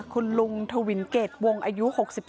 คุณลุงทวินเกรดวงอายุ๖๒